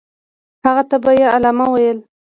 هغه ته به یې علامه ویل.